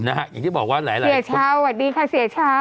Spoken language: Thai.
อย่างที่บอกว่าหลายคนเสียเช้าสวัสดีค่ะเสียเช้า